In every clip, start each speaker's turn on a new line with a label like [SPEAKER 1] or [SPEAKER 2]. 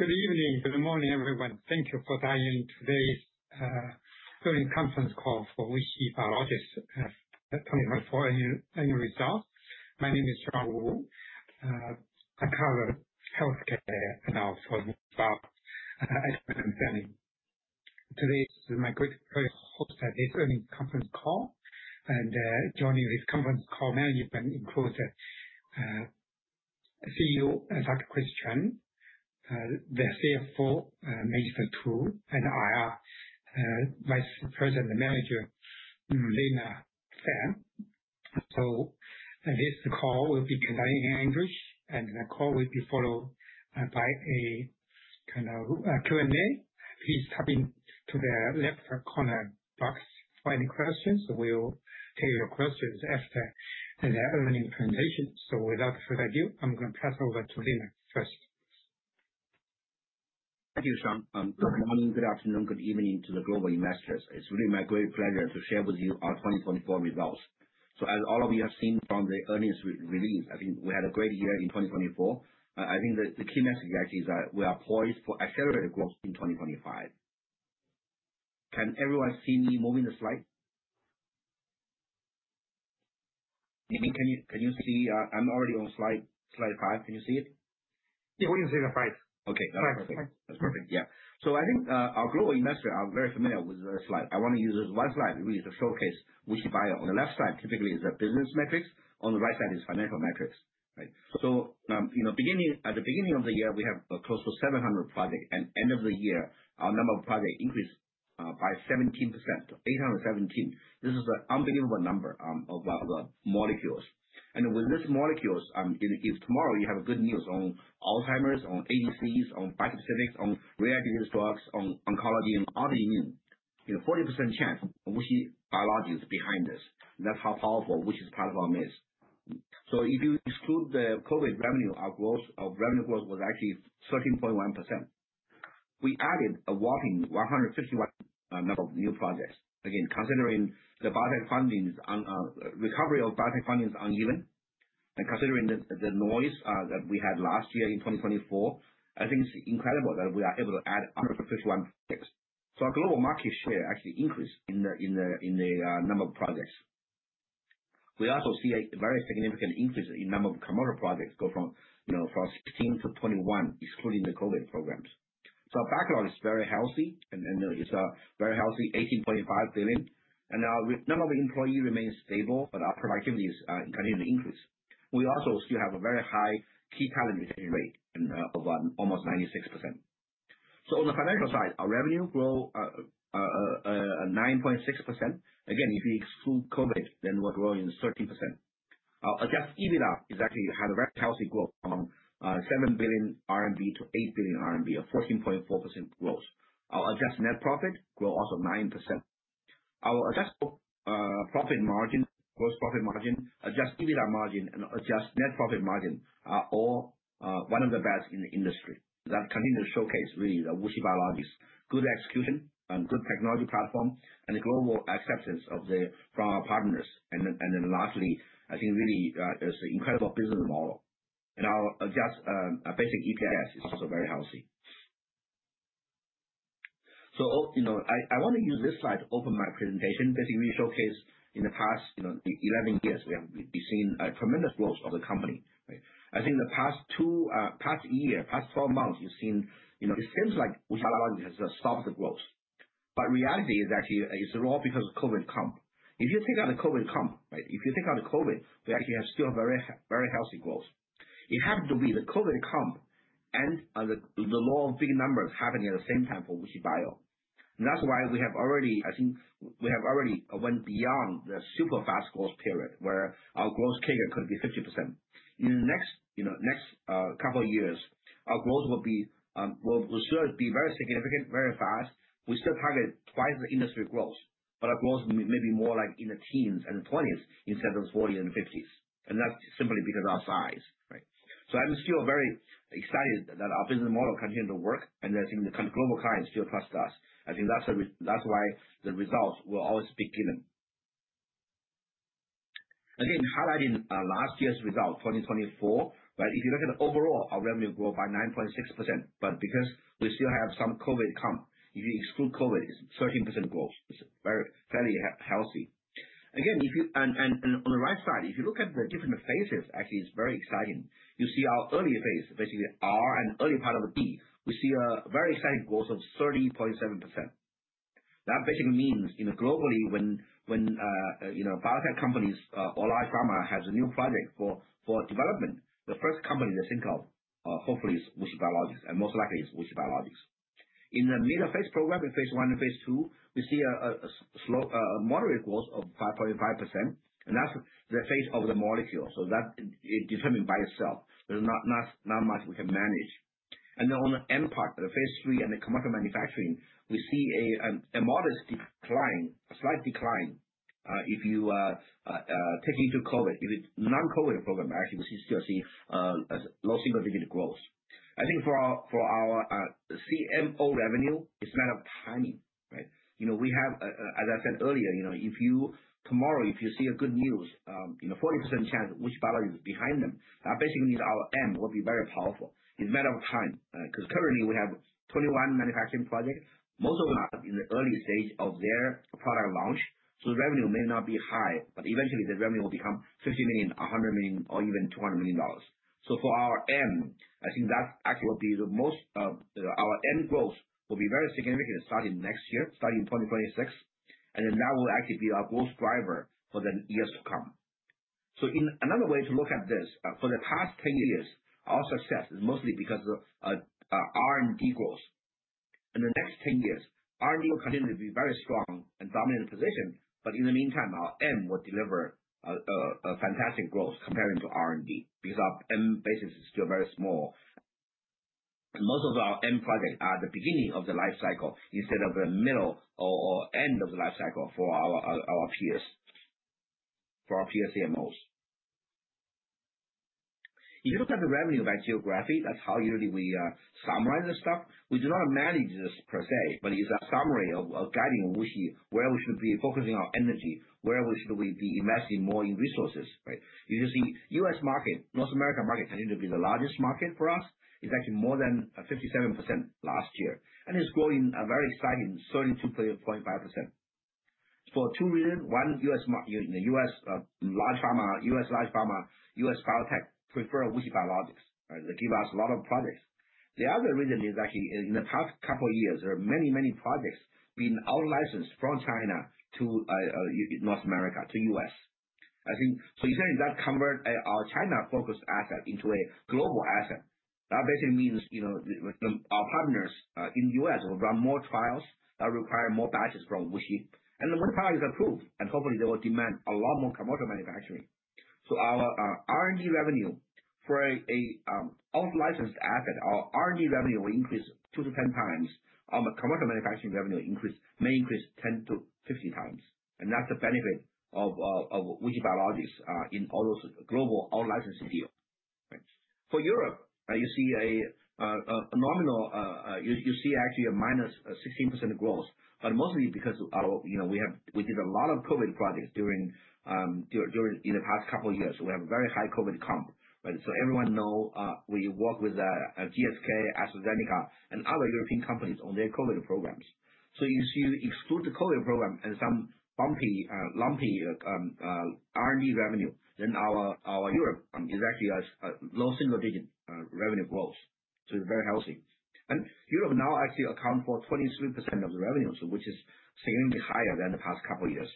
[SPEAKER 1] Good evening. Good morning everyone. Thank you for dialing today's earnings conference call for WuXi Biologics 2024 Annual Results. My name is Sean Wu. I cover healthcare analysis data at Morgan Stanley. Today it's my greatest pleasure to host this earnings conference call. Joining this conference call management includes CEO Dr. Chris Chen, the CFO Ming Tu and IR Vice President and Manager Lina Fan. This call will be conducted in English and the call will be followed by a kind of Q&A. Please tap into the left corner box for any questions. We'll take your questions after the earnings presentation. Without further ado, I'm going to pass over to Lina and Chris.
[SPEAKER 2] Thank you, Sean. Good morning, good afternoon, good evening to the global investors. It's really my great pleasure to share with you our 2024 results. As all of you have seen from the earnings release, I think we had a great year in 2024. I think the key message actually is that we are poised for accelerated growth in 2025. Can everyone see me moving the slide? Can you see I'm already on slide five? Can you see it?
[SPEAKER 3] Yeah, we can see slide five.
[SPEAKER 2] Okay, that's perfect. Yeah. I think our global investors are very familiar with the slide. I want to use this one slide really to showcase WuXi Bio. On the left side typically is the business metrics. On the right side is financial metrics. You know, beginning at the beginning of the year, we have close to 700 projects. At the end of the year our number of projects increased by 17% to 817. This is an unbelievable number of molecules. With these molecules, if tomorrow you have good news on Alzheimer's, on ADCs, on bispecifics, on rare disease drugs, oncology and autoimmune, you know, 40% chance, WuXi Biologics is behind this. That's how powerful WuXi's platform is. If you exclude the COVID revenue, our revenue growth was actually 13.1%. We added a whopping 151 new projects. Again, considering the biotech funding, recovery of biotech funding is uneven and considering the noise that we had last year in 2024, I think it's incredible that we are able to add 151 projects. Our global market share actually increased in a number of projects. We also see a very significant increase in number of commercial projects go from 16 to 21, excluding the COVID programs. Our backlog is very healthy. It's a very healthy $18.5 billion. Our number of employees remains stable. Our productivity is continuing to increase. We also still have a very high key talent retention rate, of almost 96%. On the financial side our revenue grow 9.6%. Again if you exclude COVID then we're growing 13%. Our adjusted EBITDA actually had a very healthy growth among 7 billion-8 billion RMB or 14.4% growth. Our adjusted net profit grow also 9%. Our adjusted profit margin, gross profit margin, adjusted EBITDA margin and adjusted net profit margins are all one of the best in the industry that continue to showcase really the WuXi Biologics, good execution, good technology platform and the global acceptance from our partners. Lastly, I think really it's an incredible business model and our adjusted basic EPS is also very healthy. You know I want to use this slide to open my presentation basically showcase in the past 11 years we have seen a tremendous growth of the company. I think the past two, past year, past 12 months you've seen, you know, it seems like has stopped the growth. Reality is actually it's all because of COVID comp. If you take out the COVID comp. If you take out the COVID, we actually have still very, very healthy growth. It happened to be the COVID comp. The law of big numbers happening at the same time for WuXi Bio. That's why we have already, I think we have already gone beyond the super fast growth period where our growth CAGR could be 50%. In the next couple of years, our growth will be very significant, very fast. We still target twice the industry growth but our growth may be more like in the teens and 20s instead of 40s and 50s. That is simply because of our size. Right? I'm still very excited that our business model continue to work and I think the global clients still trust us. I think that's why the results will always be given. Again highlighting last year's result 2024. If you look at overall our revenue growth by 9.6%, because we still have some COVID comp, if you exclude COVID it's 13% growth. It's very fairly healthy. Again on the right side, if you look at the different phases actually it's very exciting. You see our early-phase basically R and early part of the D we see a very exciting growth of 30.7%. That basically means, globally when biotech companies or large pharma has a new project for development, the first company they think of hopefully is WuXi Biologics and most likely it's WuXi Biologics. In the middle phase program in phase I and phase II, we see a moderate growth of 5.5% and that's the phase of the Molecule. That determines by itself there's not much we can manage. On the M part, the phase III and the commercial manufacturing, we see a modest decline, a slight decline i you take into COVID. Non-COVID program, actually we still see low-single-digit growth. I think for our CMO revenue, it's a matter of timing, right? You know we have, as I said earlier, you know, if you tomorrow, if you see a good news, you know 40% chance, WuXi Biologics is behind them. Basically our M will be very powerful. It's a matter of time because currently we have 21 manufacturing projects. Most of them are in the early stage of their product launch. The revenue may not be high. Eventually the revenue will become $50 million, $100 million or even $200 million. For our M, I think that actually will be the most. Our M growth will be very significant starting next year, starting in 2026 and then that will actually be our growth driver for the years to come. In another way to look at this, for the past 10 years, our success is mostly because of R&D growth. In the next 10 years R&D will continue to be very strong and dominant position. In the meantime our M will deliver a fantastic growth comparing to R&D because our M basis is still very small. Most of our M project are the beginning of the life cycle instead of the middle or end of the life cycle for our peers, for our peer CMOs. If you look at the revenue by geography, that's how usually we summarize the stuff. We do not manage this per se. It's a summary of guiding WuXi. Where we should be focusing our energy. Where we should be investing more in resources. You can see U.S. market, North America market continue to be the largest market for us. It's actually more than 57% last year and it's growing very exciting 32.5% for two reasons. One, U.S. large pharma, US biotech prefer WuXi Biologics. They give us a lot of projects. The other reason is actually in the past couple years there are many, many projects been out licensed from China to North America to U.S. I think, you say that convert our China-focused asset into a global asset. That basically means, you know, our partners in the U.S. will run more trials that require more batches from WuXi and then more trials are approved and hopefully they will demand a lot more commercial manufacturing. Our R&D revenue for a out-licensed asset, our R&D revenue will increase 2-10x. Our commercial manufacturing revenue increase may increase 10-50x. That's the benefit of WuXi Biologics in all those global out-licensing deals. For Europe you see a phenomenal, you see actually a -16% growth, mostly because we did a lot of COVID projects during the past couple years. We have a very high COVID comp. But so everyone know we work with GSK, AstraZeneca, and other European companies on their COVID programs. If you exclude the COVID program and some lumpy R&D revenue, then our Europe is actually low-single-digit revenue growth. It is very healthy. Europe now actually account for 23% of the revenue which is significantly higher than the past couple years.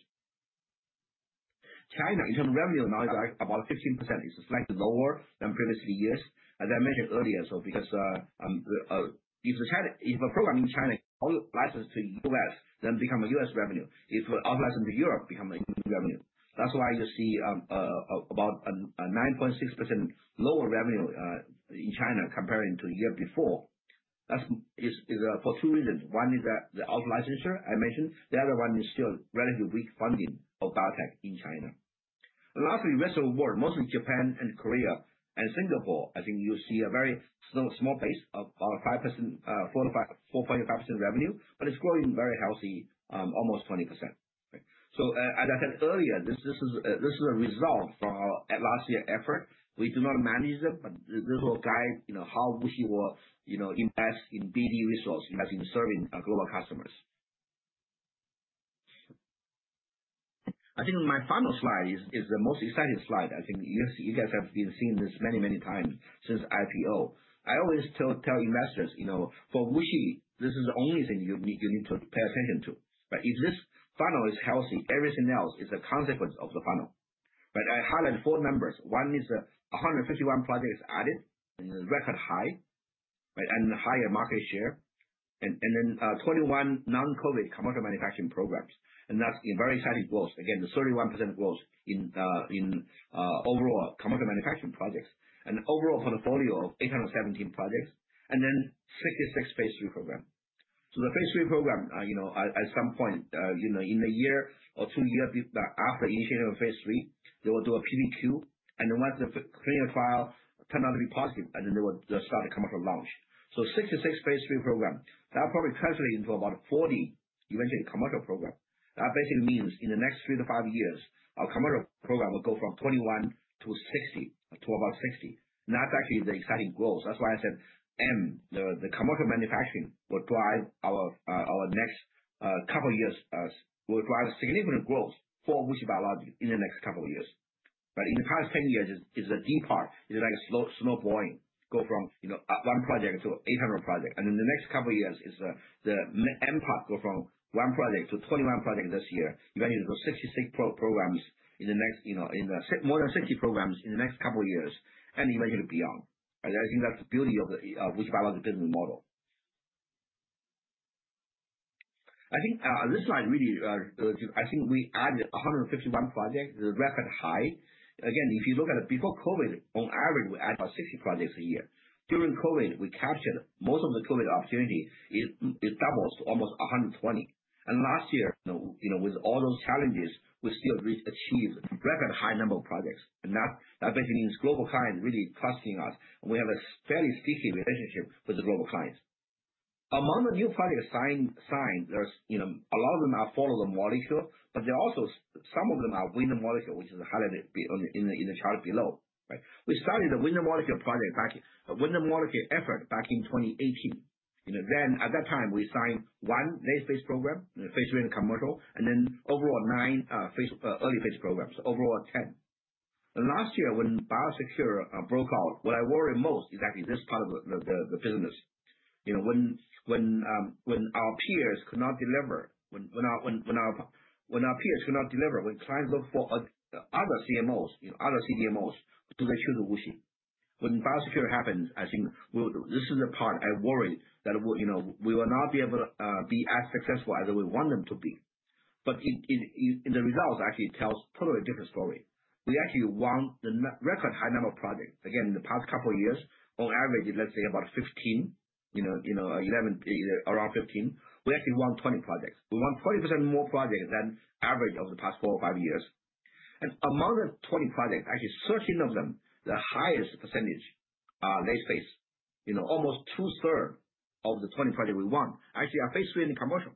[SPEAKER 2] China in terms of revenue now is about 15% is slightly lower than previous years as I mentioned earlier. If a program in China is licensed to the U.S., then it becomes U.S. revenue. If out-licensed to Europe, it becomes Europe revenue. That's why you see about 9.6% lower revenue in China comparing to year before. That is for two reasons. One is that the out licensure I mentioned. The other one is still relatively weak funding of biotech in China. Lastly, rest of the world, mostly Japan and Korea, and Singapore, I think you see a very small pace of about 4-5%% revenue. but it is growing very healthy, almost 20%. As I said earlier, this is a result from our out-licensing effort. We do not manage them. This will guide how we will invest in BD resource in serving global customers. I think my final slide is the most exciting slide. I think you guys have been seeing this many, many times since IPO. I always tell investors, you know, for WuXi, this is the only thing you need to pay attention to. If this funnel is healthy, everything else is a consequence of the funnel. I highlight four numbers. One is 151 projects added, record high and higher market share. Then 21 non-COVID commercial manufacturing programs. That is very exciting growth. Again, 31% growth in overall commercial manufacturing projects. An overall portfolio of 817 projects. And then, 66 phase III programs. The phase III program, you know, at some point, you know, in the year or two years after initiating phase III, they will do a PPQ and then once the clinical trial turned out to be positive and then they would start the commercial launch. So 66 phase III programs. That probably translates into about 40 eventually commercial programs. That basically means in the next 3-5 years our commercial program will go from 21 to 60 to about 60. That's actually the exciting growth. That's why I said the commercial manufacturing will drive our next couple of years will drive significant growth for WuXi Biologics in the next couple of years. In the past 10 years is a deep part. It's like snowballing. Go from one project to 800 projects and in the next couple years is the M part go from one project to 21 projects. This year eventually 66 programs in the next, more than 60 programs in the next couple years and eventually beyond. I think that's the beauty of WuXi Biologics business model. I think this slide really, I think. We added 151 projects, record high again if you look at it before COVID on average we added about 60 projects a year. During COVID we captured most of the COVID opportunity. It doubles to almost 120. Last year with all those challenges we still achieved rapid high number of projects. That basically means global clients really costing us. We have a fairly sticky relationship with the global clients. Among the new projects signed, there's you know, a lot of them are Follow-the-Molecule, but they're also some of them are Win-the-Molecule, which is highlighted in the chart below. We started the Win-the-Molecule project back in 2018. At that time we signed one late phase program, phase III and commercial, and overall nine early phase programs overall 10. In the last year when Biosecure broke out, what I worry most is actually this part of the business. You know when our peers could not deliver, when our peers could not deliver, when clients look for other CMOs, other CDMOs, do they choose WuXi when Biosecure happens? I think this is the part I worry that we will not be able to be as successful as we want them to be. The results actually tells totally different story. We actually won the record high number of projects again in the past couple of years. On average, let's say about 15, you know, 11 to around 15. We actually won 20 projects. We won 20% more projects than average over the past 4-5 years. Among the 20 projects, actually 13 of them, the highest percentage, they face you know, almost 2/3 of the 20 projects we won actually are phase III and commercial.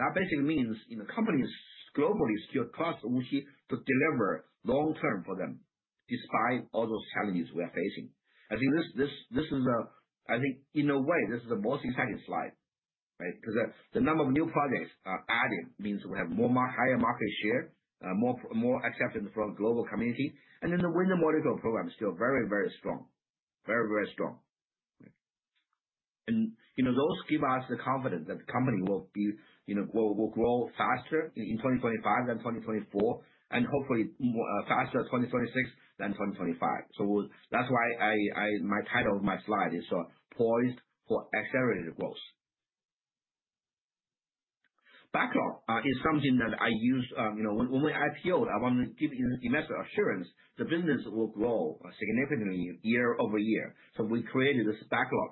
[SPEAKER 2] That basically means in the companies globally still trust WuXi to deliver long term for them, despite all those challenges we are facing. I think this is, I think in a way this is a multi-segment slide because the number of new projects are added means we have more higher market share, more acceptance from global community. The Win-the-Molecule program is still very, very strong, very, very strong. Those give us the confidence that the company will grow faster in 2025 than 2024 and hopefully faster 2026 than 2025. That is why my title of my slide is Poised for Accelerated Growth. Backlog is something that I use, you know, when we IPO'd, I want to give investors assurance the business will grow significantly year-over-year. We created this backlog,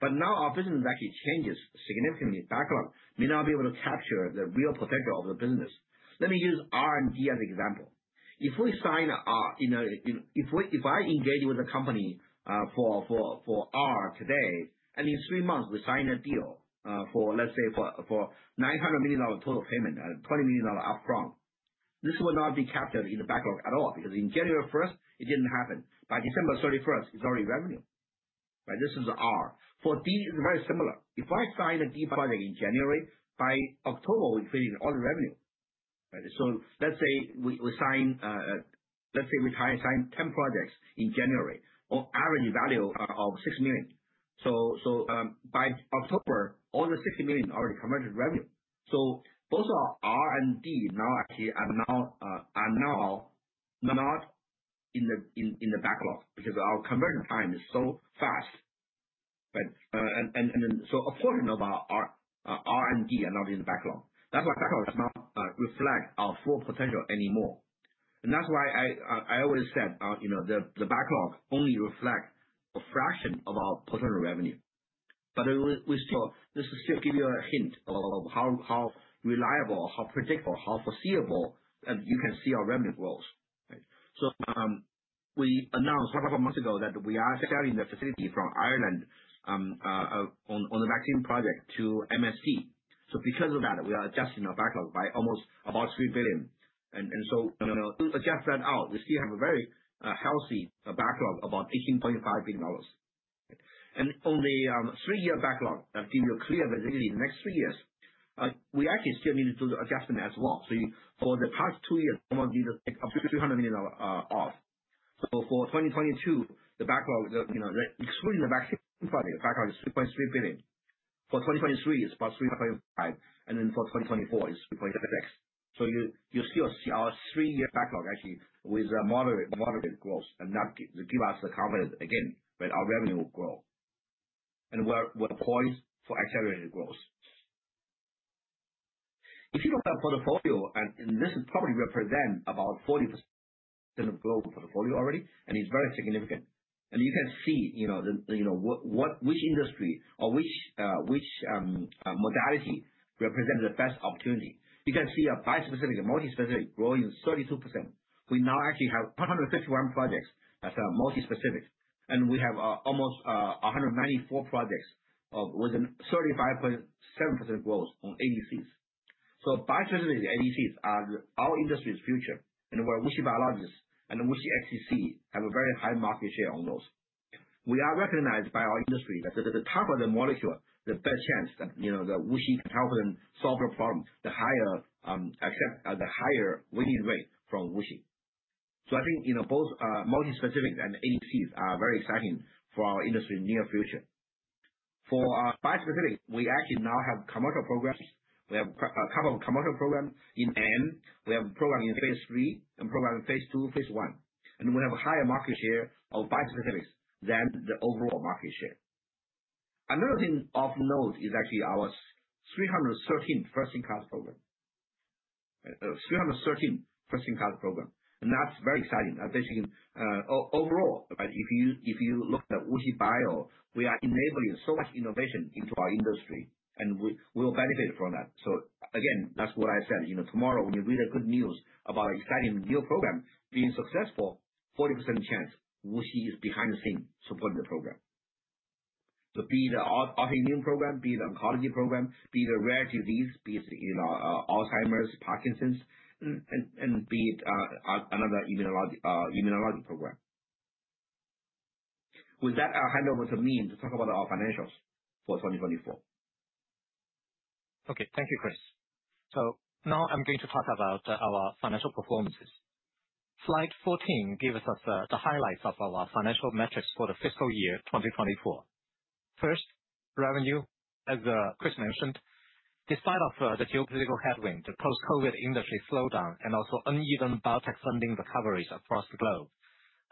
[SPEAKER 2] but now our business actually changes significantly, backlog may not be able to capture the real potential of the business. Let me use R&D as an example. If we sign, if I engage with a company for R today and in three months we sign a deal for let's say for $900 million total payment and $20 million upfront, this will not be captured in the backlog at all because in January 1 it did not happen. By December 31 it is already revenue. This is R. For D is very similar. If I sign a D project in January, by October we created all the revenue. Let's say we sign, let's say we sign 10 projects in January on average value of $6 million. By October all the $60 million already converted revenue. Both R&D now actually are now not in the backlog because our conversion time is so fast. So a portion of our R&D are not in the backlog. That's why backlog does not reflect our full potential anymore. That's why I always said the. Backlog only reflect a fraction of our portfolio revenue. This will still give you a hint of how reliable, how predictable, how foreseeable you can see our revenue growth. We announced a couple of months ago that we are selling the facility from Ireland on the vaccine project to MSD. Because of that we are adjusting our backlog by almost about $3 billion. Adjust that out we still have a very healthy backlog, about $18.5 billion. On the three-year backlog, you're clear that in the next three years we actually still need to do the adjustment as well. For the past two years someone take up to $300 million off. For 2022, the backlog, excluding the vaccine, the backlog is $3.6 billion. For 2023, it's about $3.85 billion and then, for 2024 it's $3.76 billion. You still see our three-year backlog actually with moderate growth. That gives us the confidence again that our revenue will grow. We're poised for accelerated growth. If you look at portfolio and this is probably represent about 40% global portfolio already and it's very significant and you can see, you know which industry or which modality represents the best opportunity. You can see a bispecific and multispecific growing 32%. We now actually have 151 projects that are multispecific. And we have almost 194 projects with a 35.7% growth on ADCs. Bispecific ADCs are our industry's future. Where WuXi Biologics and WuXi XDC have a very high market share on those. We are recognized by our industry that the tougher the molecule, the better chance that WuXi can help them solve the problem, the higher accept, the higher winning rate from WuXi. I think both multispecific and ADCs are very exciting for our industry in the near future. For bispecific, we actually now have commercial programs. We have a couple of commercial programs in, and we have program in phase III and program in phase II, phase I. We have a higher market share of bispecifics than the overall market share. Another thing of note is actually our 313 first-in-class program. 313-first-in-class program and that's very exciting overall if you look at WuXi Bio, we are enabling so much innovation into our industry and we will benefit from that. That's what I said tomorrow when you read the good news about exciting new program being successful, 40% chance WuXi is behind the scene supporting the program. Be it autoimmune program, be it oncology program, be it a rare disease, be it is Alzheimer's, Parkinson's, and be it another immunologic program. With that I'll hand over to Ming to talk about our financials for 2024.
[SPEAKER 3] Okay, thank you Chris. Now I'm going to talk about our financial performances. Slide 14 gives us the highlights of our financial metrics for the fiscal year 2024. First, revenue. As Chris mentioned, despite the geopolitical headwind, the post-COVID industry slowdown and also uneven biotech funding recoveries across the globe,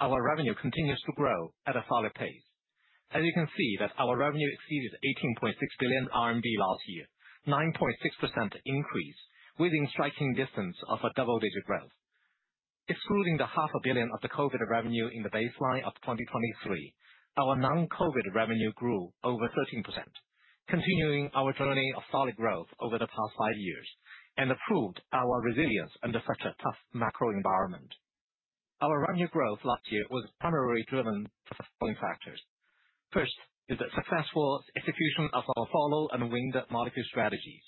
[SPEAKER 3] our revenue continues to grow at a solid pace. As you can see, our revenue exceeded 18.6 billion RMB last year. 9.6% increase within striking distance of a double-digit growth. Excluding the 0.5 billion of the COVID revenue in the baseline of 2023, our non-COVID revenue grew over 13%, continuing our journey of solid growth over the past five years, and improved our resilience under such a tough macro environment. Our revenue growth last year was primarily driven by the following factors. First is the successful execution of our Follow and Win Molecule strategies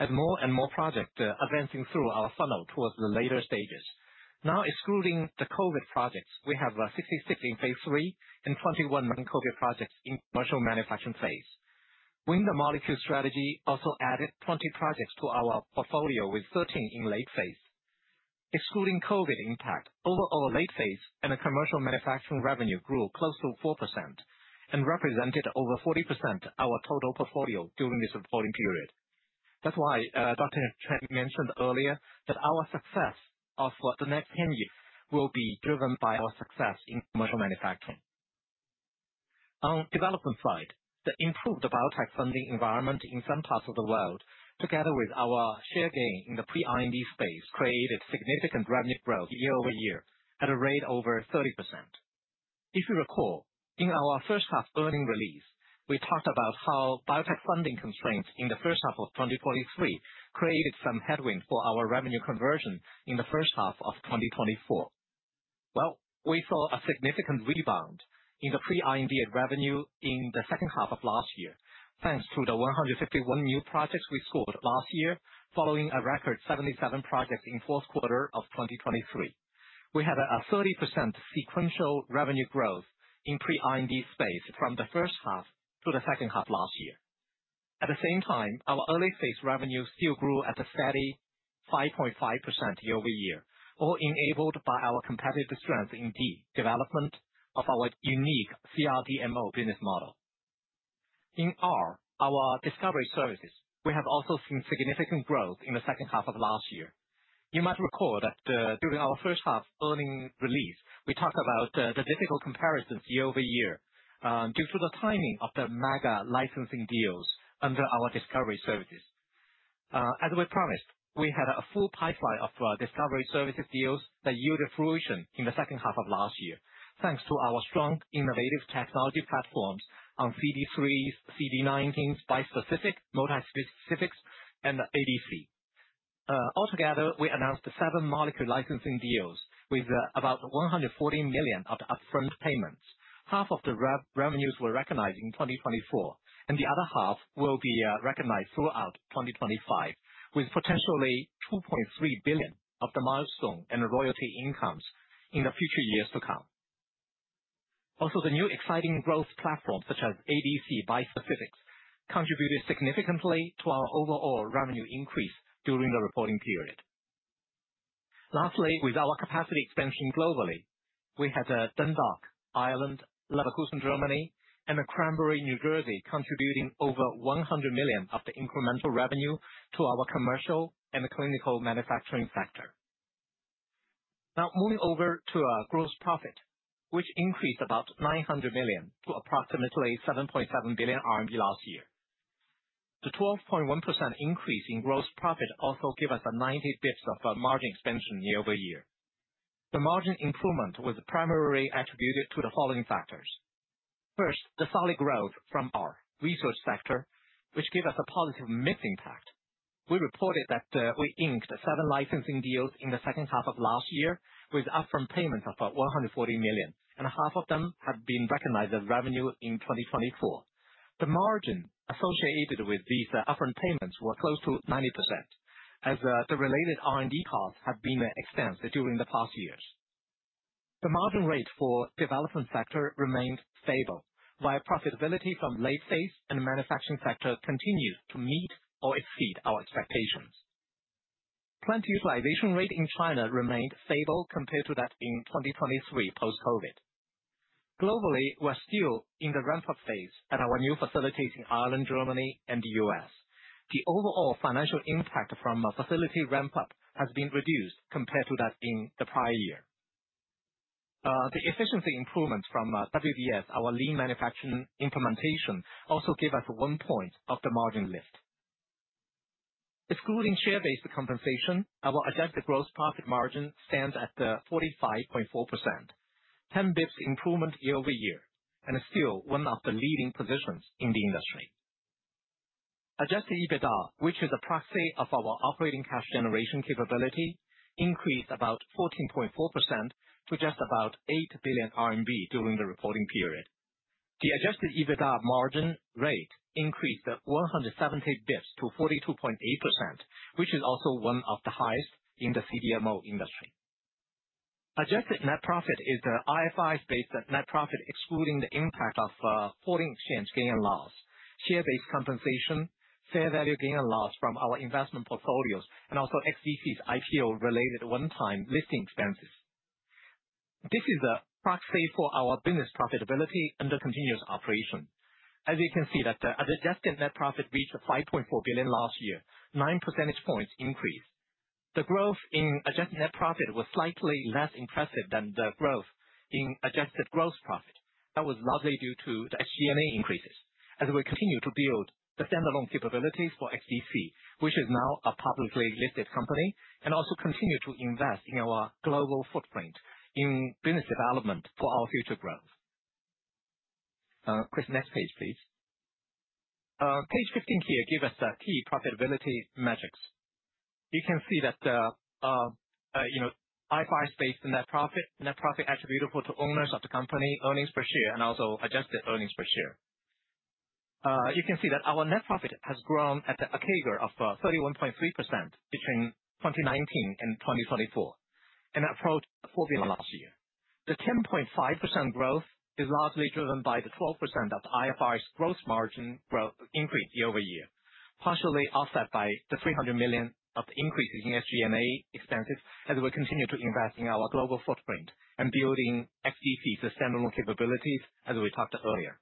[SPEAKER 3] as more and more projects advancing through our funnel towards the later stages. Now excluding the COVID projects, we have 66 in phase III and 21 non-COVID projects in commercial manufacturing phase. Win-the-Molecule strategy also added 20 projects to our portfolio with 13 in late phase. Excluding COVID impact, overall late phase and commercial manufacturing revenue grew close to 4% and represented over 40% our total portfolio during this reporting period. That's why Dr. Chen had mentioned earlier that our success for the next 10 years will be driven by our success in commercial manufacturing. On the development side, the improved biotech funding environment in some parts of the world together with our share gain in the pre-IND space created significant revenue growth year-over-year at a rate over 30%. If you recall, in our first half earnings release we talked about how biotech funding constraints in the first half of 2023 created some headwind for our revenue conversion in the first half of 2024. We saw a significant rebound in the pre-IND revenue in the second half of last year thanks to the 151 new projects we scored last year following a record 77 projects in the fourth quarter of 2023. We had a 30% sequential revenue growth in the pre-IND space from the first half to the second half last year. At the same time, our early phase revenue still grew at a steady 5.5% year-over-year, all enabled by our competitive strength in the development of our unique CRDMO business model. In R, our discovery services, we have also seen significant growth in the second half of last year. You might recall that during our first half earning release we talked about the difficult comparisons year-over-year due to the timing of the MAGA licensing deals under our discovery services. As we promised, we had a full pipeline of discovery services deals that yielded fruition in the second half of last year thanks to our strong innovative technology platforms on CD3, CD19, bispecific, multispecifics, and ADC. Altogether we announced seven Molecule licensing deals with about $140 million of the upfront payments. Half of the revenues were recognized in 2024 and the other half will be recognized throughout 2025 with potentially $2.3 billion of the milestone and royalty incomes in the future years to come. Also, the new exciting growth platform such as ADC, bispecifics contributed significantly to our overall revenue increase during the reporting period. Lastly, with our capacity expansion globally, we had Dundalk, Ireland, Leverkusen, Germany, and Cranbury, New Jersey contributing over $100 million of the incremental revenue to our commercial and the clinical manufacturing sector. Now moving over to gross profit which increased about 900 million to approximately 7.7 billion RMB last year. The 12.1% increase in gross profit also gave us a 90 basis point margin expansion year-over-year. The margin improvement was primarily attributed to the following factors. First, the solid growth from our research sector which gave us a positive mix impact. We reported that we inked seven licensing deals in the second half of last year with upfront payments of 140 million and half of them have been recognized as revenue in 2024. The margin associated with these upfront payments were close to 90% as the related R&D costs have been extensive during the past years. The margin rate for development sector remained stable while profitability from late-phase and manufacturing sector continues to meet or exceed our expectations. Plant utilization rate in China remained stable compared to that in 2023 post-COVID. Globally we're still in the ramp-up phase at our new facilities in Ireland, Germany, and the U.S. The overall financial impact from a facility ramp up has been reduced compared to that in the prior year. The efficiency improvements from WBS, our lean manufacturing implementation, also gave us one point of the margin lift. Excluding share based compensation, our adjusted gross profit margin stands at 45.4%, a 10-basis-points improvement year-over-year and still one of the leading positions in the industry. Adjusted EBITDA, which is a proxy of our operating cash generation capability, increased about 14.4% to just about 8 billion RMB during the reporting period. The adjusted EBITDA margin rate increased 170 basis points to 42.8%, which is also one of the highest in the CDMO industry. Adjusted net profit is the IFRS-based net profit excluding the impact of foreign exchange gain and loss, share based compensation, fair value gain and loss from our investment portfolios, and also XDC's IPO-related one-time listing expenses. This is a proxy for our business profitability and the continuous operation as you can see that as adjusted net profit reached 5.4 billion last year, 9 percentage points increase. The growth in adjusted net profit was slightly less impressive than the growth in adjusted gross profit that was largely due to the SG&A increases. As we continue to build the stand alone capabilities for WuXi XDC which is now a publicly listed company and also continue to invest in our global footprint in business development for our future growth. Next page please, page 15 here give us key profitability metrics you can see that IFRS-based net profit, net profit attributable to owners of the company, earnings per share, and also adjusted earnings per share. You can see that our net profit has grown at a CAGR of 31.3% between 2019 and 2024 and approached 4 billion last year. The 10.5% growth is largely driven by the 12% of IFRS gross margin increase year-over-year, partially offset by the 300 million of the increases in SG&A expenses as we continue to invest in our global footprint and building XDC's standalone capabilities, as we talked earlier.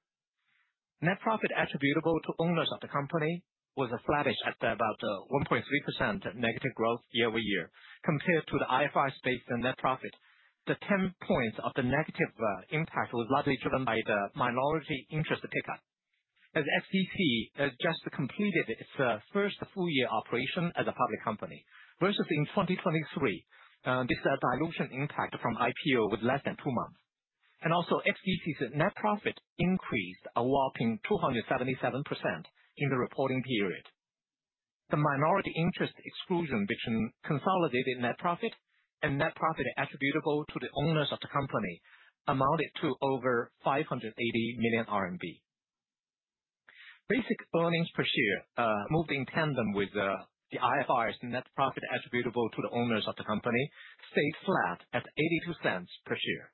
[SPEAKER 3] Net profit attributable to owners of the company was flattish at about 1.3% negative growth year-over-year compared to the IFRS-based net profit. The 10 points of the negative impact was largely driven by the minority interest pickup as XDC just completed its first full-year operation as a public company. Versus in 2023, this dilution impact from IPO was less than two months, and also XDC's net profit increased a whopping 277% in the reporting period. The minority interest exclusion between consolidated net profit and net profit attributable to the owners of the company amounted to over 580 million RMB. Basic earnings per share moved in tandem with the IFRS net profit attributable to the owners of the company stayed flat at $0.82 per share.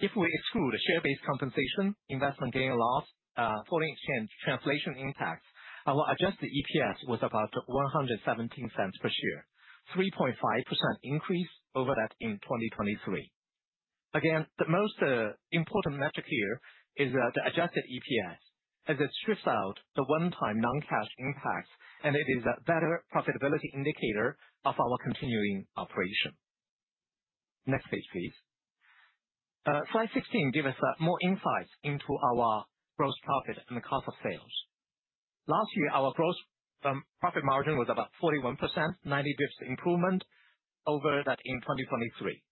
[SPEAKER 3] If we exclude share-based compensation, investment gain and loss, foreign exchange translation impact, our adjusted EPS was about $1.17 per share, a 3.5% increase over that in 2023. Again, the most important metric here is the adjusted EPS as it strips out the one-time non-cash impacts and it is a better profitability indicator of our continuing operation. Next page please. Slide 16 gives us more insights into our gross profit and the cost of sales. Last year, our gross profit margin was about 41%, a 90-basis0points improvement over that in 2023.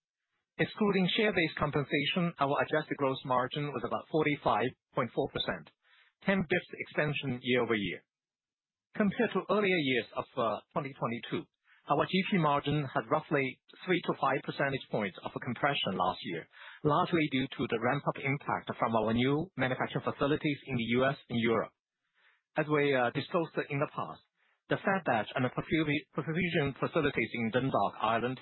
[SPEAKER 3] Excluding share-based compensation, our adjusted gross margin was about 45.4%, a 10-basis-points expansion year-over-year. Compared to earlier years of 2022, our GP margin had roughly 3-5 percentage points of compression last year largely due to the ramp up impact from our new manufacturing facilities in the U.S. and Europe. As we disclosed in the past, the fed-batch and the perfusion facilities in Dundalk, Ireland,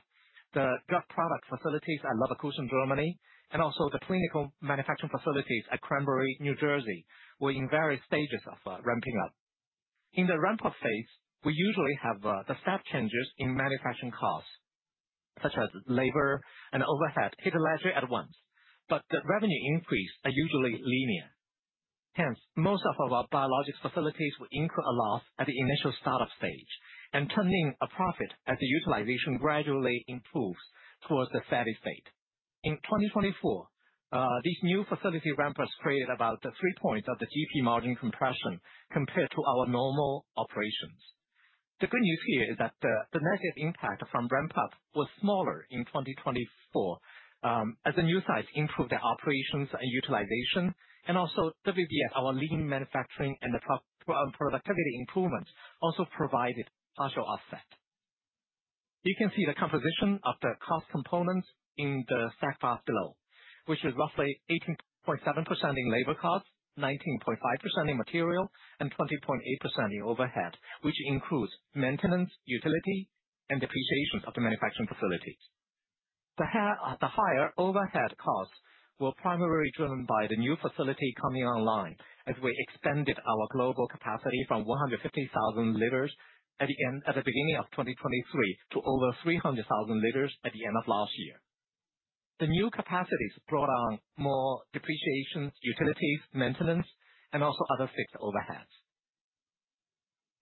[SPEAKER 3] the drug product facilities at Leverkusen, Germany, and also the clinical manufacturing facilities at Cranbury, New Jersey, were in various stages of ramping up. In the ramp-up phase, we usually have the step changes in manufacturing costs such as labor and overhead taken together at once, but the revenue increases are usually linear. Hence most of our biologics facilities will incur a loss at the initial startup stage and turn in a profit as the utilization gradually improves towards the steady state. In 2024 these new facility ramp-ups created about 3 percentage points of the GP margin compression compared to our normal. The good news here is that the negative impact from ramp-up was smaller in 2024 as the new sites improved their operations and utilization and also WBS, our lean manufacturing and productivity improvements also provided partial offset. You can see the composition of the cost components in the stat bar below, which is roughly 18.7% in labor costs, 19.5% in material, and 20.8% in overhead, which includes maintenance, utility, and depreciation of the manufacturing facilities. The higher overhead costs were primarily driven by the new facility coming online as we expanded our global capacity from 150,000 L at the beginning of 2023 to over 300,000 L at the end of last year. The new capacities brought on more depreciation, utilities, maintenance and also other fixed overheads.